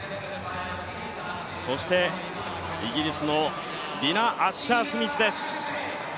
そして、イギリスのディナ・アッシャー・スミスです。